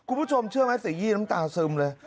คุณผู้ชมเชื่อไหมเสียยี่น้ำตาซึมเลย